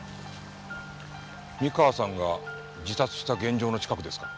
三河さんが自殺した現場の近くですか？